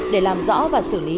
để làm rõ và xử lý